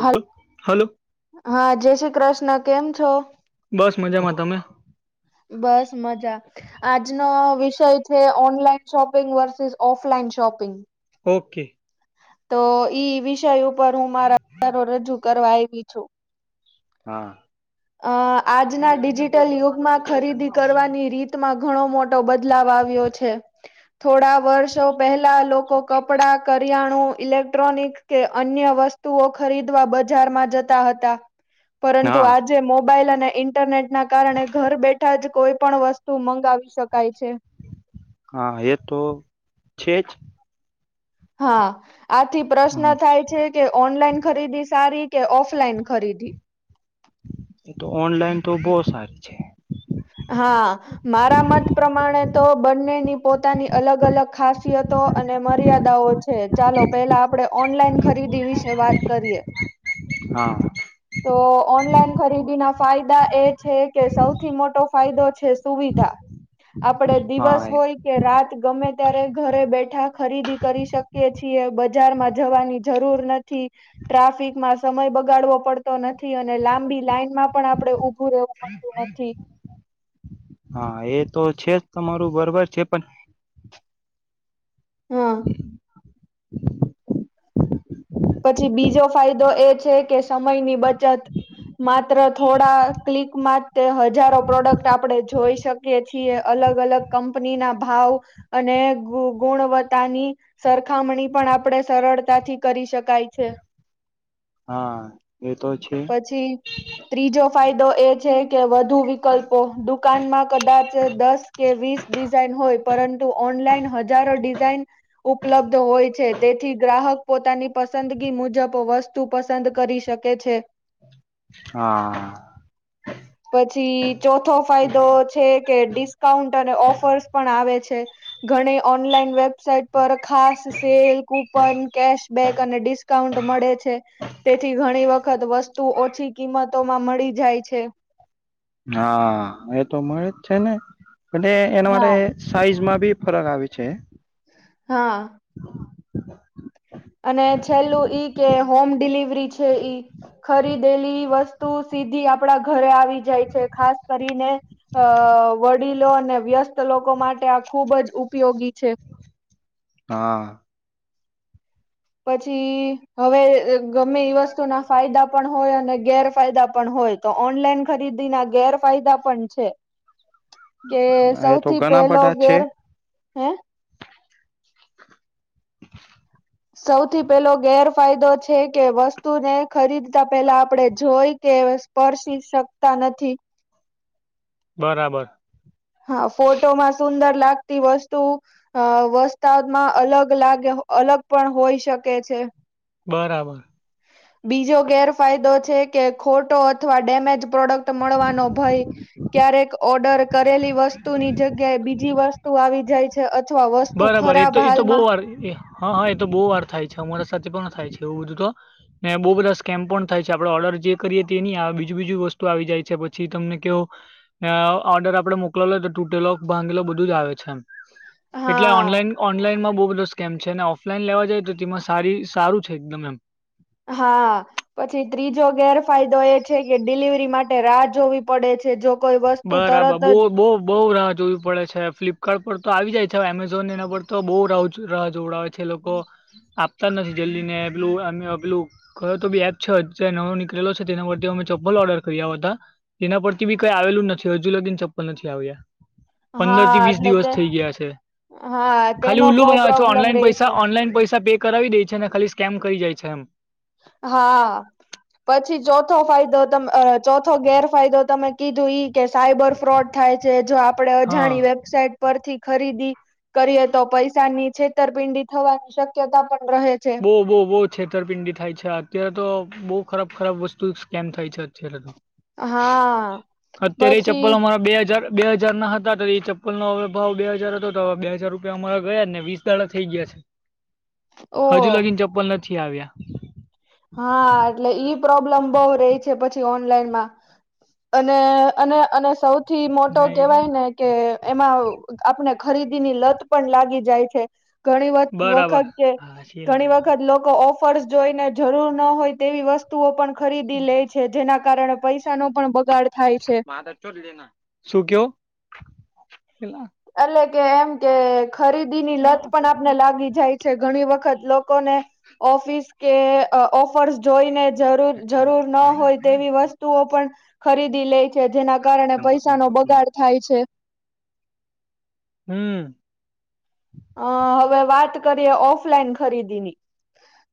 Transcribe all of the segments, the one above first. હાલ હલો. હા, જય શ્રી કૃષ્ણ. કેમ છો? બસ મજામાં. તમે? બસ મજામાં. આજનો વિષય છે. Online shopping versus offline shopping. Okay. તો ઈ વિષય ઉપર હું મારા રજૂ કરવા આવી છું. હા. અ આજના ડિજિટલ યુગમાં ખરીદી કરવાની રીત માં ઘણો મોટો બદલાવ આવ્યો છે. થોડા વર્ષો પહેલા લોકો કપડા કરિયાણું ઇલેક્ટ્રોનિક કે અન્ય વસ્તુઓ ખરીદવા બજારમાં જતા હતા પરંતુ હા આજ જે મોબાઈલ અને ઈન્ટરનેટ ના કારણે ઘર બેઠા જ કોઈ પણ વસ્તુ મંગાવી શકાય છે. હા એ તો છે જ. હા આથી પ્રશ્ન હમ થાય છે કે ઓનલાઈન ખરીદી સારી કે ઓફલાઈન ખરીદી. એ તો ઓનલાઈન તો બો સારી છે. હા. મારા મત પ્રમાણે તો બંનેની પોતાની અલગ અલગ ખાસિયતો અને મર્યાદાઓ છે. છે ચાલો પહેલા આપડે ઓનલાઈન ખરીદી વિશે વાત કરીએ. હા. તો ઓનલાઈન ખરીદી ના ફાયદા એ છે કે સૌથી મોટો ફાયદો છે સુવિધા આપડે દિવસ હા હોય કે રાત ગમે ત્યારે ઘરે બેઠા ખરીદી કરી શકીએ છીએ બજાર માં જવાની જરૂર નથી ટ્રાફિકમાં સમય બગાડવો પડ તો નથી અને લાંબી લાઈન માં પણ આપડે ઉભું રહેવું પડતું નથી. હા એ તો છે જ તમારું બરોબર છે પણ હા [inaudible] પછી બીજો ફાયદો એ થોડા ક્લિકમાં જ તે હજારો પ્રોડક્ટ આપણે જોઈ શક કે છીએ અલગ અલગ કંપની ના ભાવ અને ગુણ ગુણવત્તાની સરખામણી પણ આપણે સરળતાથી કરી શક કાય છે. હા એ તો છે. પછી ત્રીજો ફાયદો એ છે કે વધ વધુ વિકલ્પો દુકાનમાં કદાચ દસ કે વીસ ડિઝાઇન હોય પરં ઓનલાઈન હજારો ડિઝાઇન ઉપલબ્ધ હોય છે તેથી ગ્રાહક પોતાની પસંદગી મુજબ વસ્તુ પસંદ કરી શકે છે. હા. પછી ચોથો ફાયદો છે કે ડિસ્ક કઉન્ટ અને ઓફર્સ પણ આવે છે ઘણી ઓનલાઈન વેબ વબસાઇટ પર ખાસ સેલ કૂપન કેશબેક અને ડિસ્કાઉન્ટ મળે છે. તેથી ઘણી વખત વસ્તુ ઓછી કિંમતોમાં મળી જાય છે. હા એ તો મળે જ છે ને અને એના માટે હા સાઈઝમાં બી ફરક આવે છે. હા. [inaudible] અને છેલ્લું ઈ કે હોમ ડિલિવરી છે ઈ ખરીદેલી વસ્તુ સીધી આપડા ઘરે આવી જાય છે ખાસ કરીને અ વડીલો અને વ્યસ્ત લોકો માટે આ ખુબ જ ઉપયોગી છે. હા. પછી હવે ગમે ઈ વસ્તુ ના ફાયદા પણ હોય અને ગેર ફાયદા પણ હોય તો ઓનલાઈન ખરીદી ના ગેરફાયદા પણ છે. કે એ તો સૌથી ઘણા પહેલો બધા છે ગેર હે [inaudible] સૌથી પેહલો ગેરફાયદો છે કે વસ્તુને ખરીદતા પેહલા આપડે જોઈ કે પરશી શકતા નથી. બરાબર. હા, ફોટોમાં સુંદર લાગતી વસ્તુ અ, વસ્તાદમાં અલગ લાગે અલગ પણ હોઈ શકે છે. બરાબર. બીજો ગેરફાયદો છે કે ખોટો અથવા ડેમેજ પ્રોડક્ટ મળવાનો ભય ક્યારેક ઓર્ડર કરેલી વસ્તુની જગ્યાએ બીજી વસ્તુ આવી જાય છે. અથવા વસ્તુ ખરાબ હાલમાં- કરીએ. હા હા એ તો બહુ વાર થાય છે. અમારા સાથે પણ થાય છે એવું બધું તો. ને બહુ બધા સ્કેમ પણ થાય છે. આપડે ઓર્ડર જે કરીએ તે ન બીજું બીજું વસ્તુ આવી જાય છે પછી તમને કહો. ઓર્ડર આપણે મોકલો તો તૂટેલો ભાંગેલો બધું જ આવે છે એમ. એટલે હા ઓનલાઈન, ઓનલાઈનમાં બહુ બધો સ્કેમ છે અને ઓફલાઈન લેવા જાય તો તેમાં સારી, સારું છે એકદમ એમ. હા, પછી ત્રીજો ગેરફાયદો એ છે કે ડિલિવરી માટે રાહ જોવી પડે છે. જો કોઈ વસ્તુ બરાબર. તરત બહુ બહુ બહુ રાહ જોવી પડે છે. છે ફ્લિપકાર્ટ પર તો આવી જાય છે. હવે એમેઝોન એના પર તો બહુ રા રાહ જોડાવે છે. છે લોકો આપતા નથી જલ્દીને એ પેલું અને પેલું કરો તો બી એપ છે. અત્યારે નવો નીકળેલો છે તેના પર અમે ચપ્પલ ઓર્ડર કર્યા હતા. એના પરથી બી કઈ આવેલું નથી હજુ લગીન ચપ્પલ નથી આવ્યા. જ પંદર થી હા વીસ એટલે દિવસ તે થઈ ગયા છે. હા તેનો ખાલી ઉલ્લું બહુ બનાવે છો. પ્રોબ્લેમ ઓનલાઈન રહી પૈસા છે ઓનલાઈન પૈસા પે કરાવી દે છે ને ખાલી સ્કેમ કરી જાય છે એમ. હા. પછી ચોથો ફાયદો ત ચોથો ગેરફાયદો તમે કીધું ઈ. કે સાયબર ફ્રોડ થાય છે. જો આપડે હા અજાણી વેબસાઇટ પરથી ખરીદી કરીએ તો પૈસાની છેતરપિંડી થવાની શક્યતા પણ રહે છે. બહુ બહુ બહુ છેતરપિંડી થાય છે. અત્યારે તો બહુ ખરાબ ખરાબ વસ્તુ સ્કેમ થાય છે અત્યારે. હા અત્યારે એ પછી ચપ્પલ અમારા બે હજાર બે હાજારના હતા તો એ ચપ્પલનો હવે ભાવ બે હાજાર હતો તો હવે બે હાજાર રૂપિયા અમારા ગયાને વીસ દાડા થઈ ગયા છે. ઓ હજુ લગીન ચપ્પલ નથી આવ્યા. હા, એટલે ઈ પ્રોબ્લેમ બહુ રહી છે. પછી ઓનલાઈનમાં અને, અને, અને સૌથી મોટો ના એ કેવાયને કે એમાં આપણે ખરીદીની લત પણ લાગી જાય છે. ઘણી બરાબર વખત છે. હા છે ઘણી વખત લોકો ઓફર્સ જોઈને જરૂર ન હોય તેવી વસ્તુઓ પણ ખરીદી લે છે જેના કારણે પૈસાનો પણ બગાડ થાય છે [unintelligible] શું કેયો? એટલે કે, એમ કે ખરીદીની લત પણ આપણને લાગી જાય. છે ઘણી વખત લોકોને ઓફિસ કે ફરસ જોઈને જરૂર ન હોય તેવી વસ્તુઓ પણ ખરીદી લે છે જેના કારણે પૈસાનો બગાડ થાય છે. હમ. અ હવે, વાત કરીએ. ઓફલાઈન ખરીદીની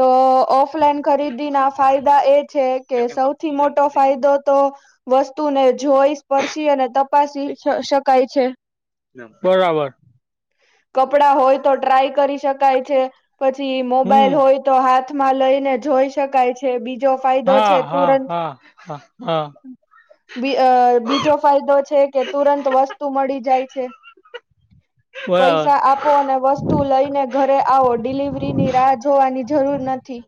તો ઓફલાઈન ખરીદીના ફાયદા એ છે કે સૌથી મોટો ફાયદો તો વસ્તુને જોઈ સ્પર્શી અને તપાસી શકાય છે. બરાબર. કપડાં હોય તો ટ્રાય કરી શકાય છે. પછી મોબાઈલ હમ હોય. તો હાથમાં લઈને જોઈ શકાય છે. બીજો ફાયદો છે હા હા તુરંત- હા હા. હા. બ બીજો ફાયદો છે કે તુરંત વસ્તુ મળી જાય છે. બરાબર પૈસા આપો અને વસ્તુ લઈને ઘરે આવો ડિલિવરી રી ની રાહ જોવાની જરૂર નથી.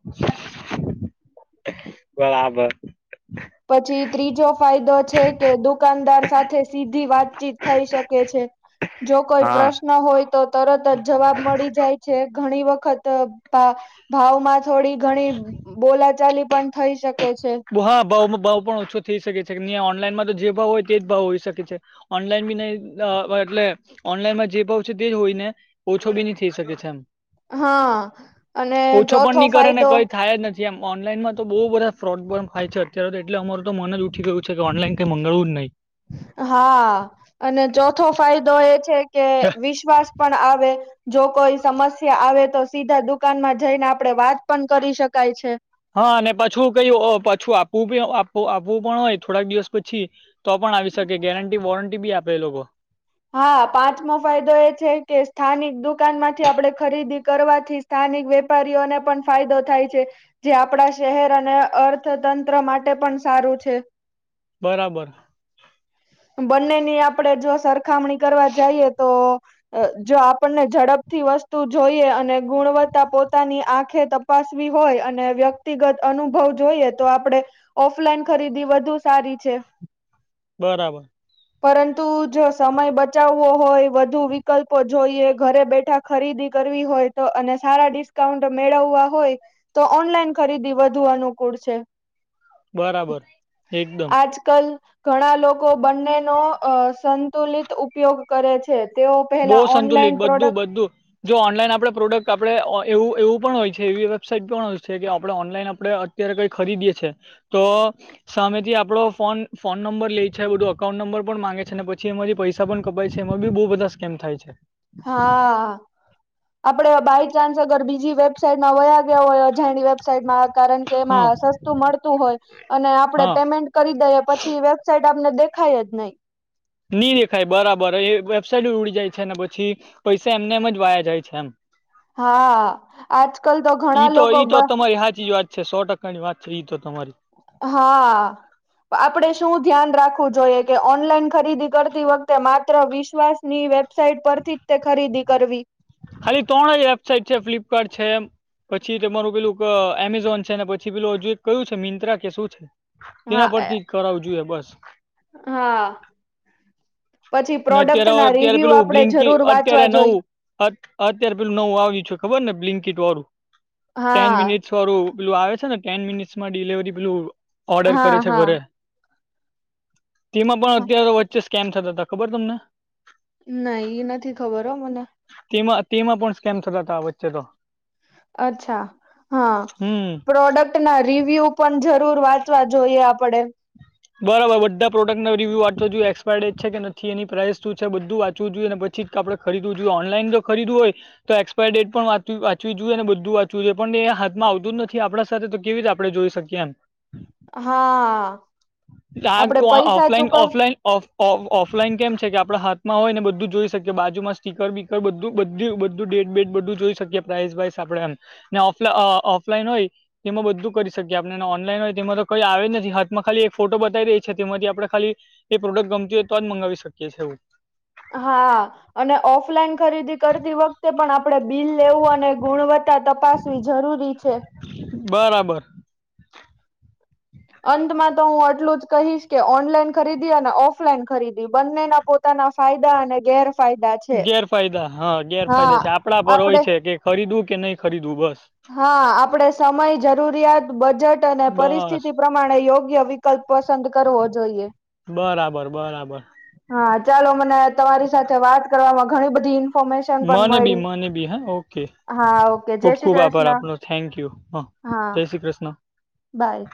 બરાબર. પછી ત્રીજો ફાયદો છે, કે દુકાનદાર સાથે સીધી વાતચીત થઈ શકે છે, જો કોઈ હા પ્રશ ન હોય તો તરત જ જવાબ મળી જાય છે, ઘણી વખત તો ભા ભાવમાં થોડી ઘણી બોલાચાલી પણ થઈ શકે છે. હા ભાવમાં ભાવ પણ ઓછો થઈ શકે છે કે નહીં ઓનલાઈનમાં તો જે ભાવ હોય તે જ ભાવ હોઈ શકે છે. ઓનલાઈન બી નય એટલે ઓનલાઈનમાં જે ભાવ છે તે જ હોય ને ઓછો બી ની થઈ શકે છે, એમ હા અને ઓછો પણ ચોથો ની કરે ને ફાયદો કઈ થાય જ ન જેમ ઓનલાઈનમાં તો બોવ બધા ફ્રોડ પણ થાય છે, અત્યારે તો એટલે અમારુ તો મન જ ઉઠી ગયું છે કે ઓનલાન કઈ મંગળડવું જ નય હા અને ચોથો ફાયદો એ છે કે નહીં વિશ્વાસ પણ આવે જો કોઈ સમસ્યા આવે તો સીધા દુકાનમાં જઈને આપણે વાત પણ કરી શકાય છે. હા અને પાછું કય પાછું આપવું આપવું પણ હોય થોડાક દિવસ પછી તો પણ આવી શકે ગેરંટી વોરંટી બી આપે એ લોકો હા પાંચમો ફાયદો એ છે કે સ્થાનિક દુકાનમાંથી આપણે ખરીદી કરવાથી સ્થાનિક વેપારીઓને પણ ફાયદો થાય છે. જે આપણા શહેર અને અર્થતંત્ર માટે પણ સારું છે. બરાબર બંનેની આપડે જો સરખામણી કરવા જઈએ તો જો આપણને ઝડપથી વસ્તુ જોઈએ અને ગુણવત્તા પોતાની આંખે ત પાસવી હોય અને વ્યક્તિગત અનુભવ જોઈએ તો આપણે ઓફલાઈન ખરીદી વધુ સારી છે. બરાબર પરંતુ જો સમય બચાવવો હોય વધુ વિકલ્પો જોઈએ ઘરે બેઠા ખરીદી કરવી હોય તો અને સારા ડિસ્કાઉન્ટ મેળવવા હોય તો ઓનલાઈન ખરીદી વધુ અનુકૂળ છે. બરાબર એકદમ કલ ઘણા લોકો બંને નો અ સંતુલિત ઉપયોગ કરે છે, તેઓ બહુ પહેલા સંતુલિત ઓનલાઈન બધું પ્રોડક્ટ બધું જો ઓનલાઈન આપણે પ્રોડક્ટ આપણે એવું એવું પણ હોય છે, એવી વેબસાઇટ પણ હોય છે કે આપણે ઓનલાઈન આપણે અત્યારે કઈ ખરીદીએ છે, તો સામેથી આપડો ફોન ફોન નંબર લઈ છે, બધું અકાઉન્ટ નંબર પણ માંગે છે, ને પછી એમાથી પૈ સા પણ કપાય છે એમાં બી બો બધા સ્કેમ થાય છે. હા. આપડે બાય ચાન્સ અગર બીજી વેબસાાઈટમાં વયા ગયા હોય અજાણી વેબસાાઈટમાં કારણ કે હા એમાં સસ્તું મળતું હોય અને આપડે હા પેમેન્ટ કરી દઈએ પછી વેબસાાઈટ આપને દેખાય જ નય ની દેખાય બરાબર એ વેબસાાઈટ ઉડી જાય છે, ને પછી પૈસા એમને એમ જ વાયા જાય છે, એમ હા આજકાલ તો ઘણા ઈ તો લોકો ઈ બ તો તમારી હાચી જ વાત છે, સો ટકા કાની વાત થઈ તો તમારી હા. આપણે શું ધ્યાન રાખવું જોઈએ કે ઓનલાઈન ખરીદી કરતી વખતે માત્ર વિશ્વાસની વે સાઇટ પરથી જ તે ખરીદી કરવી ખાલી ત્રણ જ વેબસાઇટ છે, ફ્લિપકાર્ટ છે. પછી તમારું પેલું અ એમેઝોન છે, ને પછી પેલું અજુ એક કયું છે, મિંત્રા કે શું છે. હા એના એ પરથી જ કરાવું જોઈએ બસ હા. પછી ને અત્યારે પ્રોડક્ટના અત્યારે રિવ્યુ પેલું આપડે બ્લિંકી જરૂર અત્યારે વાંચવા જોઈ નવું અત અત્યારે પેલું નવું આવ્યું છે, ખબર ને બ્લિન્કિટ વાળું ટેન હા મિનિટસ વારું પેલું આવે છે ને ટેન મિનિટ્સમાં ડિલિવરી પેલું ઓર્ડર હા કરે છે, હા ઘરે તેમાં પણ અત્યારે વચ્ચે સ્કેમ થતા હતા ખબર તમને? ના ઈ નથી ખબર હો મને તેમાં તેમાં પણ સ્કેમ થતા હતા આ વચ્ચે તો અચ્છા હા હમ પ્રોડક્ટ ના રિવ્યુ પણ જરૂર વાંચવા જોઈએ આપણેે બરાબર બધા પ્રોડક્ટનો રિવ્યૂ વાચવા જોએ એક્સપાયર ડેટ છે કે નથી એ પ્રઇસ શું છે બધું વાચવું જોઈએ અને. ચિત આપણે ખરીદવું જોઈએ ઓનલાન જો ખરીદું હોય. તો એક્સપાયર ડેટ પણ વાંવી જોઈએ અને બધું વાંચવું જોઈએ પણ એ હાથમાં આવતું જ નથી આપડા સાથે તો કેવીીતે આપણે જોઈ શકીએ એમ હા આપડે આ પૈસા ઓફલાઇન ચુકવ ઓફલાઇન ઓફ ઓફલાઈન કેમ છે કે આપડણા હાથમાં હોય ને બધું જોઈ શકીએ બાજુમાં સીર બીકર બધું બધ બધું ડેટ બેટ બધું જોઈ શકીએ પ્રાઇસ વાઇસ આપડે એમ ને ઓફ ઓફલાઈન હોય તેમાં બધું કરી શકીએ આપણેને ઓનલાઈન હોય તેમાં તો કઈ આવે જ નથી માં ખાલી એક ફોટો બતાવી રહી છે તેમાંથી આપણે ખાલી એ પ્રોડક્ટ ગમતી હોય તો જ મંગાવી શકીએ છી એવું હા અને ઓફલાઈન ખરીદી કરતી વખતે તે પણ આપડણે બિલ લેવું અને ગુણવત્તા તપાસવી જરૂરી છે. બરાબર. અંતમાં તો હું આટલું જ કહીશ કે ઓનલાઈન ખરીદી અને ઓફલાઈન ખરીદી બંનેના પોતા પોતાના ફાયદા અને ગેરફાયદા છે ફાયદા હા હા ગેરફાયદા છે આપડા પર હોય આપડે છે કે ખરીદવું કે નહી ખરીદવું બસ હા આપડે સમય જરૂરિયાત બજેટ અને બસ પરિસ્થિતિ પ્રમા પ્રમાણે યોગ્ય વિકલ્પ પસંદ કરવો જોઈએ બરાબર બરાબર હા ચાલો મને તમારી સાથે વાત કરવામાં ઘણી બધી ફોર્મેશન પણ મને બી મળી મને બી હા ઓકે જય શ્રી કૃષ્ણ આપ થેન્ક યુ હ હા જય શ્રી કૃષ્ણ બાય